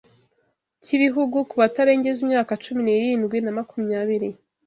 cy’ibihugu ku batarengeje imyaka cumi nirindwi na makumyabiri